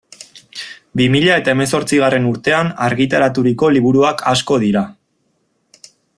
Bi mila eta hemezortzigarren urtean argitaraturiko liburuak asko dira.